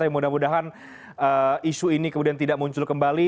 tapi mudah mudahan isu ini kemudian tidak muncul kembali